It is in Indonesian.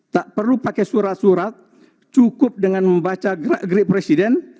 tak perlu pakai surat surat cukup dengan membaca gerak gerik presiden